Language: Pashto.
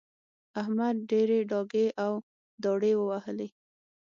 احمد ډېرې ډاکې او داړې ووهلې.